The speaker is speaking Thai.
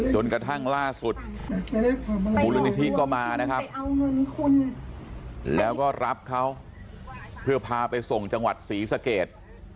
จนกระทั่งล่าสุดมูลนิธิก็มานะครับเอาเงินคุณแล้วก็รับเขาเพื่อพาไปส่งจังหวัดศรีสเกต